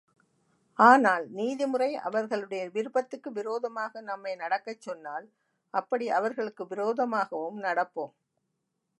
ஆனால் நீதிமுறை அவர்களுடைய விருப்பத்துக்கு விரோதமாக நம்மை நடக்கச் சொன்னால், அப்படி அவர்களுக்கு விரோதமாகவும் நடப்போம்.